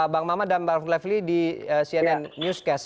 bang maman dan bang rufiq laifli di cnn newscast